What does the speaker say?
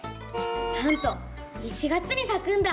なんと１月にさくんだ。